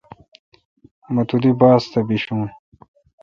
م تو دی باس تہ بیشون۔